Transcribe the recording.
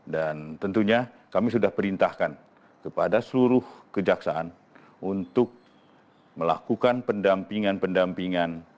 dan tentunya kami sudah perintahkan kepada seluruh kejaksaan untuk melakukan pendampingan pendampingan